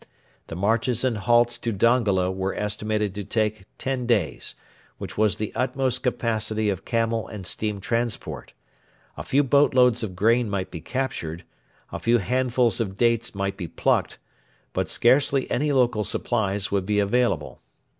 The marches and halts to Dongola were estimated to take ten days, which was the utmost capacity of camel and steam transport, A few boat loads of grain might be captured; a few handfuls of dates might be plucked; but scarcely any local supplies would be available.